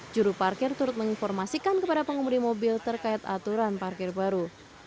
juru parkir turut menginformasikan kepada pengemudi mobil terkait aturan parkir baru